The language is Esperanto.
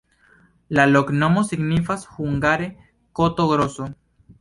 La loknomo signifas hungare koto-groso.